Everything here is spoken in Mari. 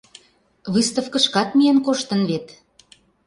Выставкышкат миен коштын вет.